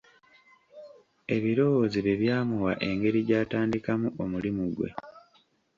Ebirowoozo bye byamuwa engeri gy'atandikamu omulimu gwe.